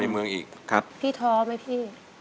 เมืองอีกครับพี่ท้อไหมพี่